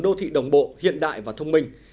đô thị đồng bộ hiện đại và thông minh